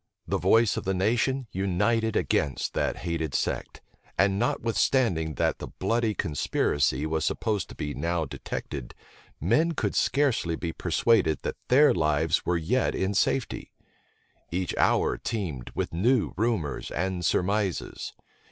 The voice of the nation united against that hated sect; and notwithstanding that the bloody conspiracy was supposed to be now detected, men could scarcely be persuaded that their lives were yet in safety. Each hour teemed with new rumors and surmises.